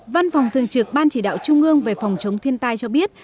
văn phòng thường trực ban chỉ đạo trung ương về phòng chống thiên tai cho biết